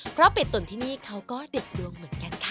เพราะเป็ดตนที่นี่เขาก็เด็ดดวงเหมือนกันค่ะ